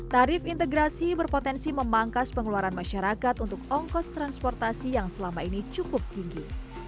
tarif integrasi berpotensi memangkas pengeluaran masyarakat untuk ongkos transportasi yang selama ini cukup tinggi